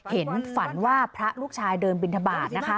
ฝันว่าพระลูกชายเดินบินทบาทนะคะ